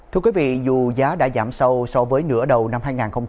thưa quý vị dù giá đã giảm sâu so với nửa đầu năm hai nghìn hai mươi ba